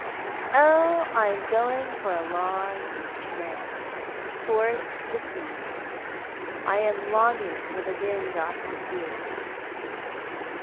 " Oh, I am going for a long tramp — towards the sea. I am longing for the wind off the sea."